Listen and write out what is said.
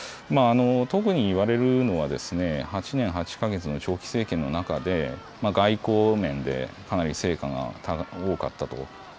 特に言われるのは８年８か月の長期政権の中で、外交面でかなり成果が多かったと。